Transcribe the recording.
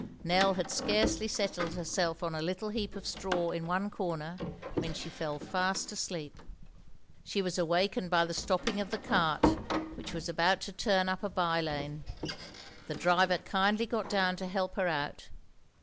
Nell had scarcely settled herself on a little heap of straw in one corner, when she fell fast asleep. She was awakened by the stopping of the cart, which was about to turn up a by lane. The driver kindly got down to help her out.